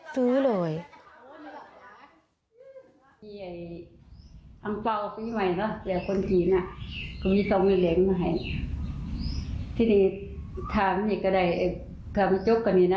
ซื้อเลย